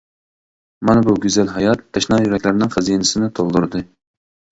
مانا بۇ گۈزەل ھايات تەشنا يۈرەكلەرنىڭ خەزىنىسىنى تولدۇردى.